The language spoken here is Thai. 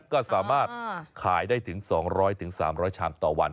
ก็สามารถขายได้ถึง๒๐๐๓๐๐ชามต่อวัน